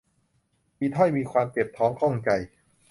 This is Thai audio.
มีถ้อย มีความ เจ็บท้องข้องใจ